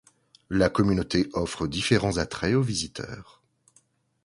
La communauté offre différents attraits aux visiteurs.